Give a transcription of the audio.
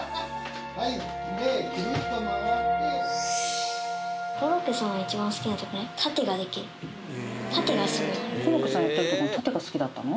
はいでぐるっと回ってコロッケさんやってる時の殺陣が好きだったの？